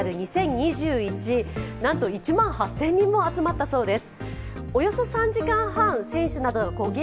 なんと１万８０００人も集まったそうです。